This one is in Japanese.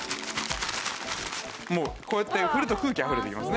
もうこうやって振ると空気あふれてきますね。